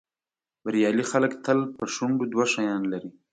بریالي خلک تل په شونډو دوه شیان لري.